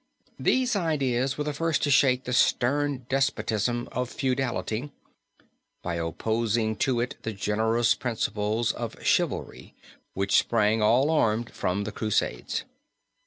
"These ideas were the first to shake the stern despotism of feudality, by opposing to it the generous principles of chivalry which sprang all armed from the Crusades.